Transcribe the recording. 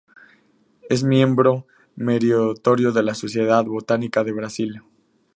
Es miembro Meritorio de la Sociedad Botánica de Brasil.